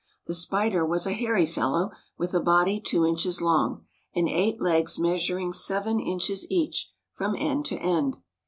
The spider was a hairy fellow, with a body two inches long, and eight legs measuring seven inches each, from end to end.